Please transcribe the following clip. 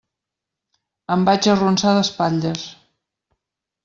Em vaig arronsar d'espatlles.